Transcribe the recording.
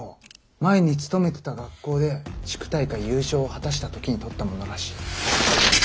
前に勤めてた学校で地区大会優勝を果たした時に撮ったものらしい。